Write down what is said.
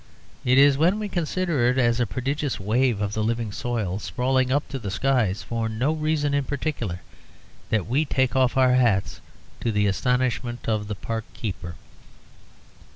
It is when we consider it as a prodigious wave of the living soil sprawling up to the skies for no reason in particular that we take off our hats, to the astonishment of the park keeper.